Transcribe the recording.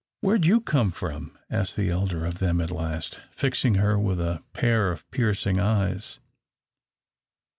"Where'd you come from?" asked the elder of them at last, fixing her with a pair of piercing eyes.